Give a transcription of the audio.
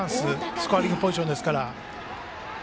スコアリングポジションですから。